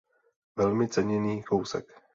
Velmi ceněný kousek.